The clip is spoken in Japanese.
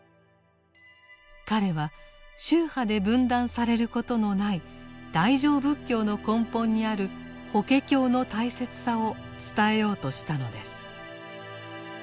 彼は宗派で分断されることのない大乗仏教の根本にある法華経の大切さを伝えようとしたのです。